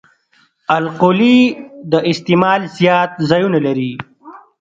القلي د استعمال زیات ځایونه لري.